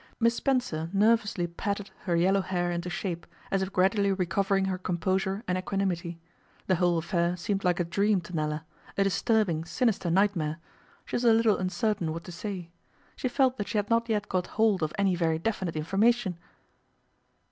Miss Spencer nervously patted her yellow hair into shape, as if gradually recovering her composure and equanimity. The whole affair seemed like a dream to Nella, a disturbing, sinister nightmare. She was a little uncertain what to say. She felt that she had not yet got hold of any very definite information.